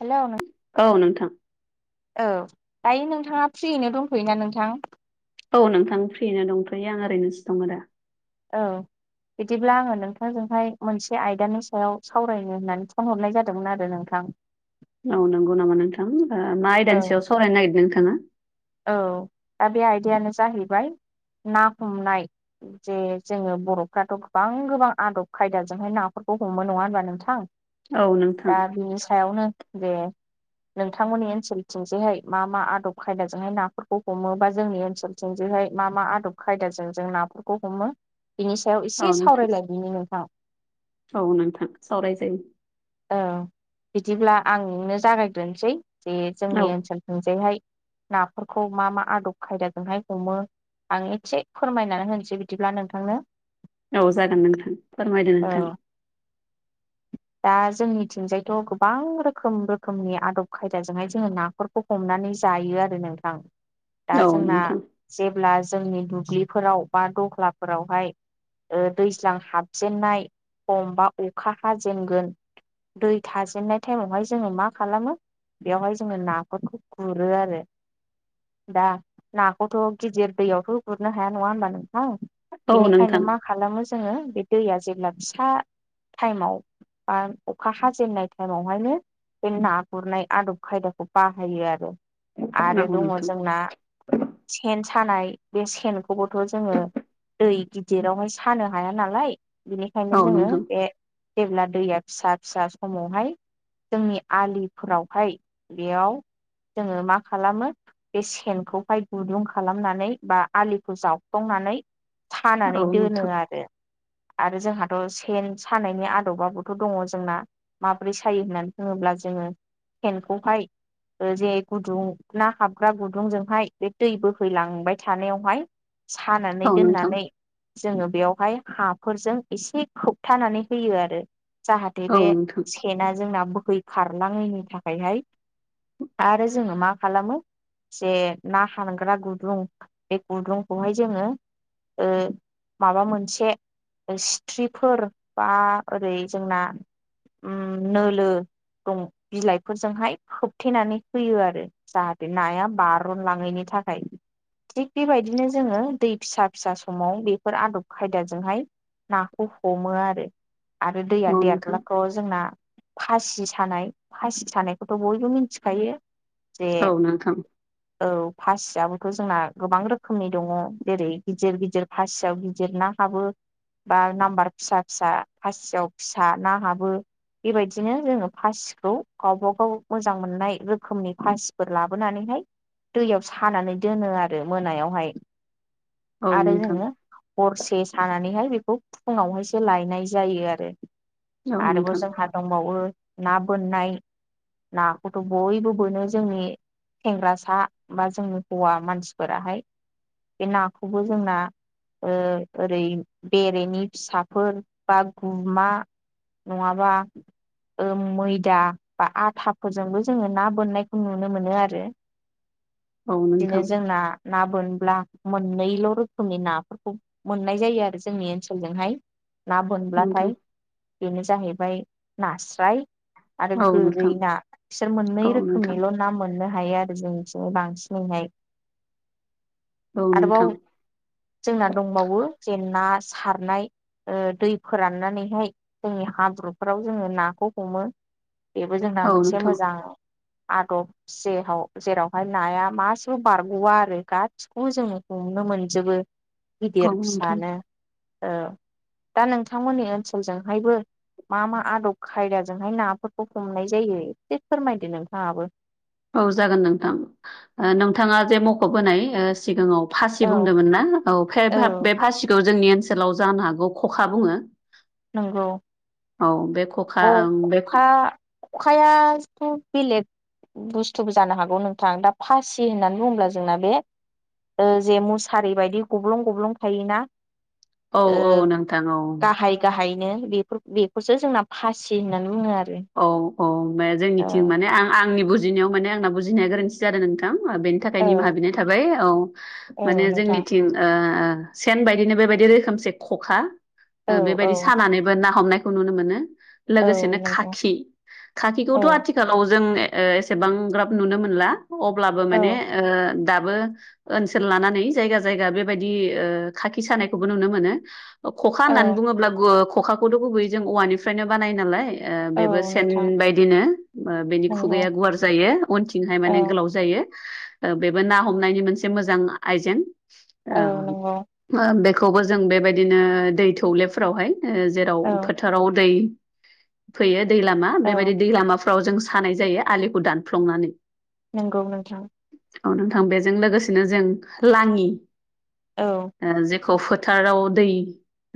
हेल' नों औ नोंथां। औ दायो नोंथाङा फ्रियैनो दंथ'योना नोंथां? औ नोंथां फ्रियैनो दंथ'यो आं ओरैनोसो दं दा। औ। बिदिब्ला आङो नोंथांजोंहाय मोनसे आयदानि सायाव सावरायनो होननानै फन हरनाय जादोंमोन आरो नोंथां? औ नंगौ नामा नोंथां ओ मा औ आयदानि सायाव सावरायनो नागिरदों नोंथाङा? औ दा बे आयदायानो जाहैबाय ना हमनाय जे जोङो बर'फ्राथ' गोबां गोबां आदब खायदाजोंहाय नाफोर बेखौ हमो नङा होनबा नोंथां? नोंथाङा दा बिनि सायावनो दे नोंथांमोननि ओनसोलथिंजहाय मा मा आदब खायदा जोंहाय नाफोरखौ हमो बा जोंनि ओनसोलथिं जोंहाय मा मा आदब खायदाजों जों नाफोरखौ हमो बिनि सायाव औ नोंथां एसे औ नोंथां सावरायलायदिनि नोंथां। औ नोंथां सावरायजायो औ बिदिब्ला आं नो जागायग्रोनसै जे जोंनि औ ओनसोलथिंजायहाय नाफोरखौ मा मा आदब खायदाजोंहाय हमो। आं एसे फोरमायनानै होनोसै बिदिब्ला नोंथांनो औ जागोन नोंथां फोरमायदो औ नोंथां। दा जोंनिथिंजायथ' गोबां रोखोम रोखोमनि आदब खायदाजोंहाय जोङो नाफोरखौ हमनानै जायो आरो नोंथां दा औ जोंना नोंथां जे अब्ला जोंनि दुब्लिफोराव बा दह्लाफोरावहाय दैज्लां हाबजेननाय हमबा अखा हाजेनगोन दै थाजेननाय टाइमावहाय जोङो मा खालामो बेवहाय जोङो नाफोरखौ गुरो आरो दा नाखौथ' गिदिर दैयावथ' गुरनो हाया नङा होनबा नों थां औ औ बेनिखायनो नोंथां मा खालामो जोङो बे दैया जेब्ला फिसा टाइमाव बा अखा हाजेननाय टाइमावहायनो बे ना गुरनाय आदब खायदाखौ बाहायो आरो औ आरो दङ नोंथां जोंना सेन सानाय बे सेनखौबोथ' जोङो दै गिदिरावहाय सानो हाया नालाय बिनिखायनो औ जोङो नोंथां बे जेब्ला दैया फिसा फिसा समावहाय जोंनि आलिफोरावहाय बेयाव जोङो मा खालामो बे सेनखौहाय गुदुं खालामनानै बा आलिखौ जावख्फंनानै नानै सानानै औ दोनो नोंथां आरो आरो जोंहाथ' सेन सानायनि आदबाबो थ' दङ जोंना माब्रै सायो होननानै बुङोब्ला जोङो सेनखौहाय जे गुदुं ना हाबग्रा गुदुंजोंहाय बे दै बोहैलांबाय थानायावहाय सानानै औ नोंथां दोननानै जोङो बेवहाय हाफोरजों एसे खोबथानानै होयो आरो जाहाथे औ बे नोंथां सेना जोंना बोहै खारलाङैनि थाखायहाय आरो जोङो मा खालामो जे ना हाबग्रा गुदुं बे गुदुंखौहाय जोङो ओ माबा मोनसे सिथ्रिफोर बा ओरै जोंना ओ नोलो दं बिलाइफोरजोंहाय होबथेनानै होयो आरो जाहाथे नाया बारन लाङैनि थाखाय थिग बेबायदिनो जोङो दै फिसा फिसा समाव बेफोर आदब खायदाजोंहाय नाखौ हमो आरो आरो दैया देरब्लाथ' जोंना खासि सानाय खासि सानायखौथ' बयबो मिथिखायो जे औ औ फार्स्ट आबोथ जोंना गोबां रोखोमनि दङ जेरै गिदिर गिदिर फासियाव गिदिर ना हाबो बा नाम्बार फिसा फिसा फासियाव फिसा ना हाबो बेबायदिनो जोङो फासिखौ गावबागाव मोजां मोननाय रोखोमनि फासिफोर लाबोनानैहाय दैयाव सानानै दोनो आरो मोनायावहाय आरो नोंथां जोङो हरसे थानानैहाय बेखौ फुङावहायसो लायनाय जायो आरो औ आरोबाव नोंथां जोंहा दंबावो ना बोननाय नाखौथ' बयबो बोनो जोंनि सेंग्रासा बा जोंनि हौवा मानसिफोराहाय बे नाखौबो जोंना ओ ओरै बेरेनि फिसाफोर बा गुमा नङाबा ओ मैदा बा आथाफोरजोंबो जोङो ना बोननायखौ नुनो मोनो आरो औ नोंथां बिदिनो जोंना ना बोनब्ला मोननैल' रोखोमनि नाफोरखौ मोननाय जायो आरो जोंनि ओनसोलजोंहाय ना औ नोंथां औ नोंथां नोंथां बोनब्लाथाय बेनो जाहैबाय नास्राय आरो औ गोरै नोंथां ना बिसोर मोननै औ नोंथां रोखोमनिल' ना मोननो हायो आरो [unintelligible] बांसिनैहाय औ आरोबाव नोंथां जोंना दंबावो जे ना सारनाय ओ दै फोराननानै हाय जोंनि हाब्रुफोराव जोङो नाखौ हमो बेबो जोंना औ मोनसे नोंथां मोजां आदब जेहाव जेरावहाय नाया मासेबो बारग'वा आरो गासिखौबो जोङो हम‌ नो मोनजोबो गिदिर औ नोंथां फिसानो ओ दा नोंथांमोननि ओनसोल जोंहायबो मा मा आदब खायदाजोंहाय नाफोरखौ हमनाय जायो एसे फोरमायदो नोंथाङाबो औ जागोन नोंथां ओ नोंथाङा जे मख'बोनाय ओ सिगाङाव औ फासि बुंदोंमोन ना औ बे फासिखौ जोंनि ओनसोलाव जानो हागौ खखा बुङो नंगौ औ बे खखा अ ओं बे खखा खखायाथ' बेलेग बुस्थुबो जानो हागौ नोंथां दा फासि होननानै बुङोब्ला जोंना बे ओ जे मुसारि बायदि गब्लं गब्लं थायोना औ औ नोंथां औ फायनो बेफोर बेखौसो जोंना फासि होननानै बुङो आरो औ औ जोंनिथिं औ माने आं आंनि बुजिनायाव माने आंना बुजिनाया गोरोन्थि जादों नोंथां बेनि थाखाय निमाहा औ बिनाय थाबाय औ औ माने नोंथां जोंनिथिं ओ सेन बायदिनो बेबायदि रोखोमसे खखा औ ओ औ बेबायदि सानानैबो ना हमनाय खौ नुनो मोनो औ लोगोसेनो नंगौ खाखि औ खाखिखौथ' आथिखालाव जों ओ एसेबां ग्राब नुनो मोनला अब्लाबो औ माने ओ दाबो ओनसोल लानानै जायगा जायगा बेबायदि ओ खाखि सानायखौबो नुनो मोनो ख'खा औ होननानै बुङोब्ला ख'खाखौथ' गुबैयै जों औवानिफ्रायनो बानाय नालाय ओ औ बेबो सेन नोंथां बायदिनो बेनि नंगौ खुगाया गुवार जायो अनथिंहाय औ माने गोलाव जायो बेबो ना हमनायनि मोनसे मोजां आइजें ओ औ नंगौ ओ बे खौबो जों बेबायदिनो दै थौलेफोरावहाय जेराव औ फोथाराव दै फैयो दै लामा औ बेबायदि दै लामाफ्राव जों सानाय जायो आलिखौ दानफ्लंनानै नंगौ नोंथां औ नोंथां बेजों लोगोसेनो जों लाङि औ। खौ फोथाराव दै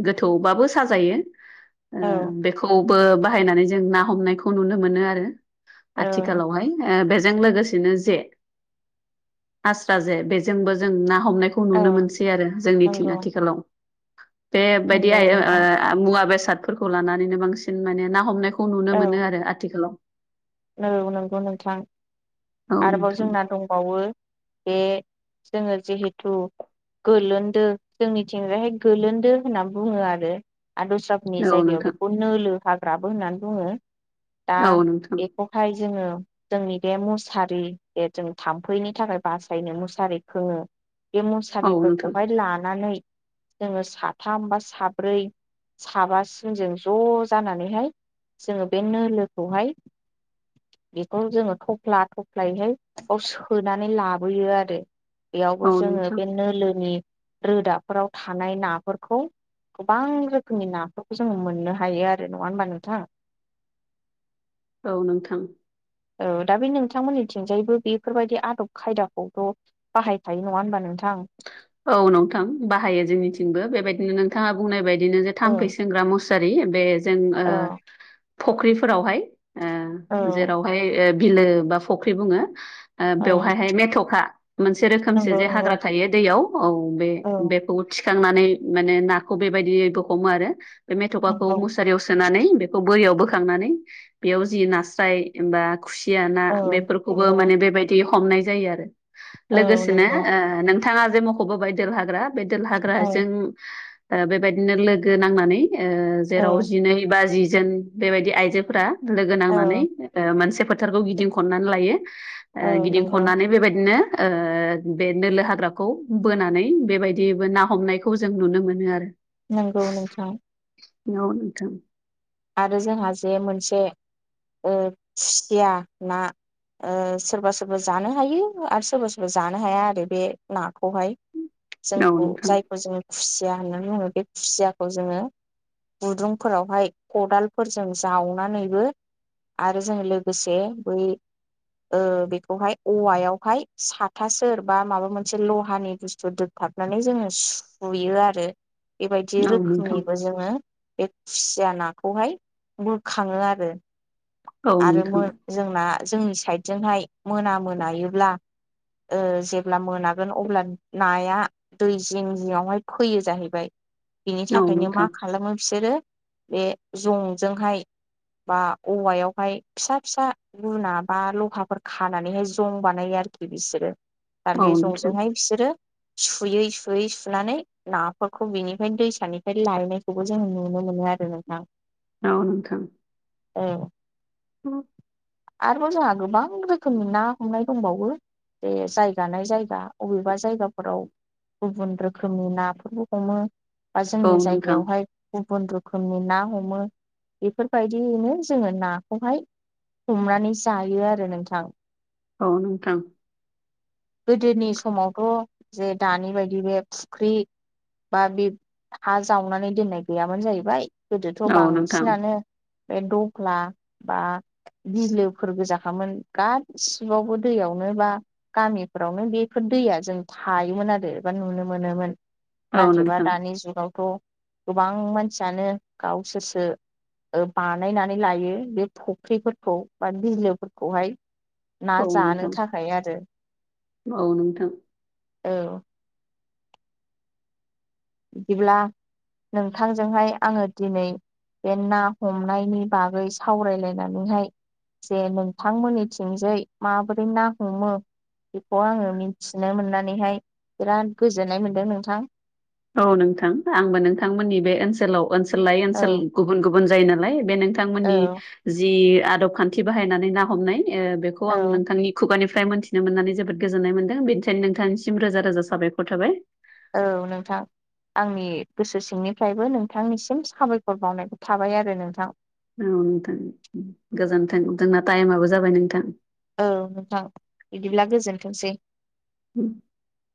गोथौबाबो साजायो ओ औ बेखौ बो बाहायनानै जों ना हमनायखौ नुनो मोनो आरो औ आथिखालाव हाय ओ बे जों लोगोसेनो जे आस्रा जे बेजेंबो जों ना हमनायखौ औ नुनो मोनसै आरो जोंनिथिं नंगौ आथिखालाव। बे बायदि नंगौ आइ ओ नोंथां मुवा बेसाद फोरखौ लानानैनो बांसिन माने ना हमनायखौ खौ नुनो औ मोनो आरो आथिखालाव। औ नंगौ नोंथां औ आरोबाव जोंना दंबावो बे जोङो जिहेथु गोलोन्दो जोंनि थिंहाय गोलोन्दो होनना बुङो आरो। आरो दस्रा फोरनि जायगायाव नोंथां बेखौ नोलो हाग्राबो होननानै बुङो। दा औ नोंथां। बेखौहाय जोङो जोंनि बे मुसारि बे जों थाम्फैनि थाखाय बासायनो मुसारि खोङो बे औ मुसारि फोरखौ नोंथां हाय लानानै जोङो साथाम बा साब्रै साबा सिनजों ज' जानानै हाय जोङो बे नोलोखौ हाय बेखौ जोङो थफ्ला थफ्लाय हाय बाव सोनानै लाबोयो आरो। औ नोंथां बेयावबो औ जोङो नोंथां बे नोलोनि रोदा फोराव थानाय ना फोरखौ गोबां रोखोमनि ना फोरखौ जों मोननो हायो आरो नङा होमबा नोंथां? औ नोंथां। ओ दा बे नोंथां मोननिथिं जायबो बेफोर बायदि आदब खायदा खौथ' बाहाय खायो नङा होनबा नों औ नोंथां बाहायो जोंनिथिंबो बेबायदिनो नोंथाङा बुंनाय बाय बिदिनो जे औ थाम्फै सेंग्रा मुसारि बे जों ओ औ फख्रि फोरावहाय ओ औ जेराव हाय ओ बिलो बा फुख्रि बुङो। ओ बेवहाय हाय मेथ'खा मोनसे रोखोमसे नंगौ जे नंगौ हाग्रा थायो दैयाव औ बे औ बेखौ थिखांनानै माने नाखौ बेबायैबो हमो आरो। बे मेथ'खाखौ नंगौ मुसारियाव सोनानै बेखौ बोरियाव बोखांनानै बेयाव जि नास्राय एबा खुसिया ना औ बेफोर खौबो नंगौ माने बेबायदि हमनाय जायो आरो औ लोगोसेनो नंगौ ओ नों थाङा जे मख'बोबाय दोल हाग्रा बे देल औ हाग्राजों ओ बेबायदिनो लोगो नांनानै ओ जेराव औ जिनै बा जिजोन बेबायदि आइजो फोरा लोगो औ नांनानै ओ मोनसे फोथारखौ गिदिं खननानै लायो। ओ औ गिदिं नंगौ खननानै बेबायदिनो ओ बे नोलो हाग्रा खौ बोनानै बेबायदिबो ना हमनायखौ जों नुनो मोनो आरो। नंगौ नोंथां। ज [unintelligible] नोथां। आरो जोंहा जे मोनसे ओ खुसिया ना ओ सोरबा सोरबा जानो हायो आरो सोरबा सोरबा जानो हाया आरो बे नाखौ हाय। औ जोंखौ नोंथां जायखौ जों खुसिया होननानै बुङो बे खुसियाखौ जोङो गुदुं फोरावहाय खदाल फोरजों जावनानैबो आरो जों लोगोसे बै ओ बेखौ हाय औवा यावहाय साथासेर बा माबा मोनसे लहानि बुस्थु द हाबनानै जोङो सुयो आरो। बेबायदि औ नोंथां रोखोमनिबो जोङो बे खुसिया ना खौहाय बोखाङो आरो औ आरो मोन नोंथां जोंना जोंनि साइडजों हाय मोना मोनायोब्ला ओ जेब्ला मोनागोन अब्ला नाया दै जिं जिं आवहाय फैयो जाहैबाय। बिनि औ थाखायनो मा नोंथां खालामो बिसोरो बे जं जोंहाय बा औवायाव हाय फिसा फिसा गुना बा लहाफोर खानानै हाय जं बानायो आरो। आरोखि बिसोरो दा औ जं जोंहाय बिसोरो सुयै सुयै सुनानै ना फोरखौ बिनिफ्राय दैसानिफ्राय लायनायखौबो जों नुनो मोनो। [unintelligible] औ आरो नोंथां औ नोंथां। औ [inaudible] आरोबाव जोंहा गोबां रोखोमनि ना हमनाय दंबावो। बेे जायगानाय जायगा अबेबा जायगाफोराव गुबुन रोखोमनि नाफोरबो हमो। बा औ जोंनि नोंथां जायगायावहाय गुबुन रोखोमनि ना हमो बेफोरबायदियैनो जोङो नाखौहाय हमनानै जायो आरो नोंथां। औ नोंथां गोदोनि समावथ' जे दानि बायदि बे फुख्रि बा बे हा जावनानै दोननाय गैयामानो जाहैबाय गोदोथ' बांसिनानो बे दह्ला बा बिलोफोर गोजाखामोन गासिबावबो दैयावनो बा गामिफोरावनो बेफोर दैया जों थायोमोन आरो बा नुनो मोनोमोन औ नोंथां औ नाथायबा नोंथां दानि जुगावथ' गोबां मानसियानो गावसोरसो बानायनानै लायो बे फुख्रिफोरखौ बा बिलोफोरखौहाय ना औ जानो नोंथां थाखाय आरो औ नोंथां औ बिदिब्ला नोंथांजोंहाय आङो दिनै बे ना हमनायनि बागै सावरायलायनानैहाय जे नोंथांमोननिथिंजै माबोरै ना हमो बेखौ आङो मिथिनो मोननानैहाय बिराद गोजोननाय मोनदों नोंथां। औ नोंथां आंबो नोंथांमोननि बे ओनसोलाव ओनसोल लायै ओनसोल औ गुबुन गुबुन जायो नालाय बे नोंथांमोननि औ जि आदब खान्थि बाहायनानै ना हमनाय ए बेखौ औ आं नोंथांनि खुगानि फ्राय मोनन्थिनो मोननानै जोबोद गोजोननाय मोनदों बेनिखायनो नोंथांनिसिम रोजा रोजा साबायखर थाबाय। औ नोंथां। आंनि गोसो सिंनिफ्रायबो नोंथांनिसिम साबायखर बावनायखौ थाबाय आरो नोंथां। औ नोंथां गोजोन्थों जोंना टाइमाबो जाबाय नोंथां। औ नोंथां बिदिब्ला गोजोनथोंसै। [inaudible]